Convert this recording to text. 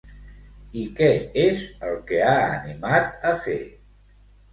I què és el que ha animat a fer?